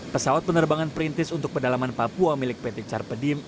pesawat penerbangan perintis untuk pedalaman papua milik pt carpedim